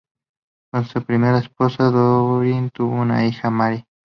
Con su primera esposa, Doreen, tuvo una hija, Mary.